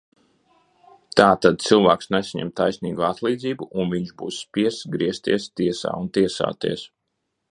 Tātad cilvēks nesaņem taisnīgu atlīdzību, un viņš būs spiests griezties tiesā un tiesāties.